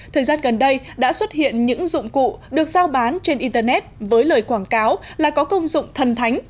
thời gian gần đây đã xuất hiện những dụng cụ được giao bán trên internet với lời quảng cáo là có công dụng thần thánh